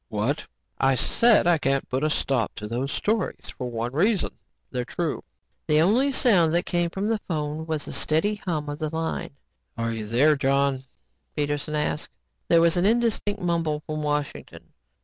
What? I said I can't put a stop to the stories for one reason. They're true." The only sound that came from the phone was the steady hum of the line. "Are you there, John?" Peterson asked. There was an indistinct mumble from Washington.